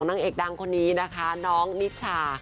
หลังจากของนางเอกดังคนนี้น้องนิชา